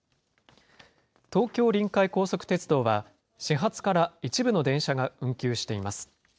東京臨海高速鉄道は、始発から一部の電車が運休しています。